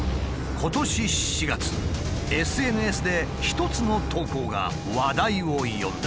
今年４月ＳＮＳで一つの投稿が話題を呼んだ。